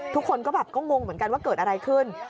ทุกคนก็แบบก็งงเหมือนกันว่าเกิดอะไรขึ้น